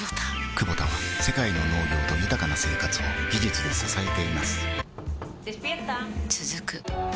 クボタは世界の農業と豊かな生活を技術で支えています起きて。